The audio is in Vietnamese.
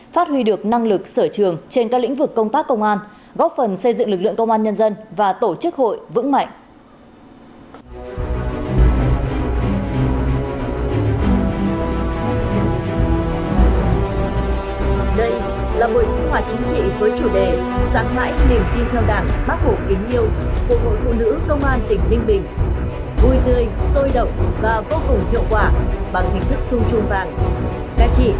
phát huy được năng lực sở trường trên các lĩnh vực công tác công an góp phần xây dựng lực lượng công an nhân dân và tổ chức hội vững mạnh